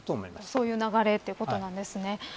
そういう流れということなんですね。